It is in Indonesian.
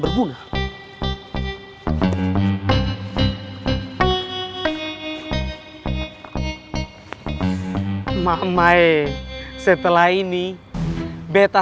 oh kita sudah pada saatnya